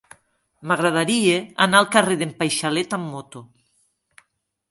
M'agradaria anar al carrer d'en Paixalet amb moto.